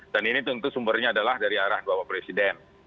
dan ini tentu sumbernya adalah dari arah bapak presiden